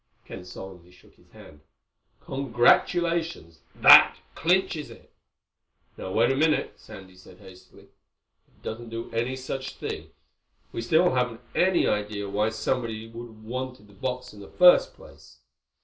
Ken solemnly shook his hand. "Congratulations. That clinches it." "Now wait a minute," Sandy said hastily. "It doesn't do any such thing. We still haven't any idea why somebody should have wanted the box in the first place."